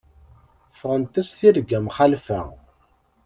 Ffɣent-as tirga mxalfa.